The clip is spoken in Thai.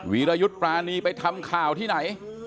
วิรยุทธ์ปรานีไปทำข่าวที่ไหน